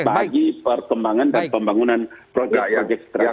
bagi perkembangan dan pembangunan proyek proyek strategis yang diakukan oleh pemerintah